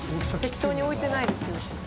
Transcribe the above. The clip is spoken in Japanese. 適当に置いてないですよ。